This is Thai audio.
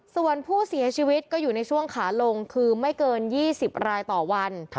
ส่วนผู้เสียชีวิตก็อยู่ในช่วงขาลงคือไม่เกิน๒๐รายต่อวัน